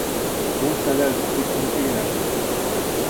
Ул хәләл, тик һинеке генә!